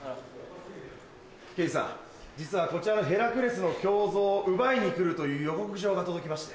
刑事さん実はこちらのヘラクレスの胸像を奪いにくるという予告状が届きまして。